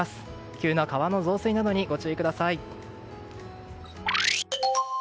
急な川の増水などにご注意ください。